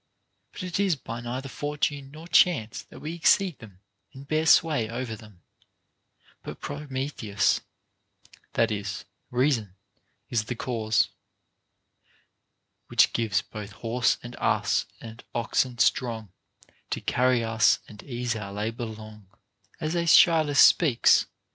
But it is by neither Fortune nor chance that we exceed them and bear sway over them ; but Prometheus (that is, reason) is the cause, Which gives both horse and ass and oxen strong, To carry us and ease our labor long,* as Aeschylus speaks.